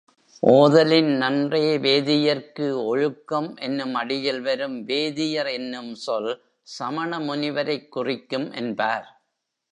ஓதலின் நன்றே வேதியர்க்கு ஒழுக்கம் என்னும் அடியில் வரும் வேதியர் என்னும் சொல் சமண முனிவரைக் குறிக்கும் என்பார்.